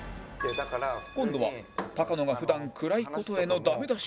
今度は高野が普段暗い事へのダメ出しへ